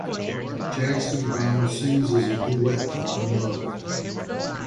Jackson Browne sings as a duet on "Unloved".